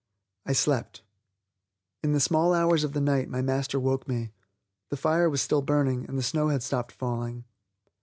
I slept. In the small hours of the night my master woke me. The fire was still burning, and the snow had stopped falling.